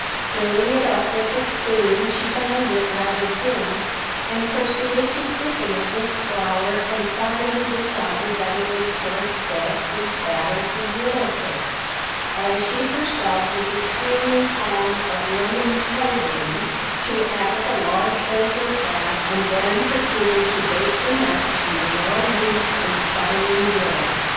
Stirring it up with a spoon, she found it rather thin, and proceeded to thicken it with flour and finally decided that it would serve best as batter for griddle cakes. As she herself was extremely fond of lemon flavoring, she added a large dose of that, and then proceeded to bake the mess on the well greased and sputtering griddle.